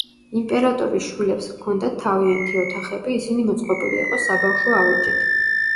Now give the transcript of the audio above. იმპერატორის შვილებს ჰქონდათ თავიანთი ოთახები, ისინი მოწყობილი იყო საბავშვო ავეჯით.